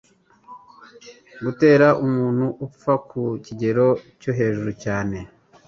Gufata umuntu upfa ku kigero cyo hejuru cyane